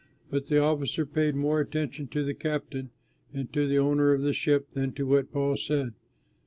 But the officer paid more attention to the captain and to the owner of the ship than to what Paul said.